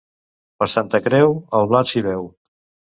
Per Santa Creu, el blat s'hi veu.